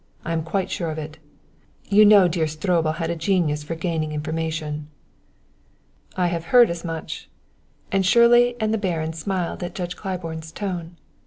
I am quite sure of it. You know dear Stroebel had a genius for gaining information." "I have heard as much," and Shirley and the Baron smiled at Judge Claiborne's tone.